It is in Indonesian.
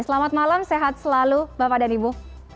selamat malam sehat selalu bapak dan ibu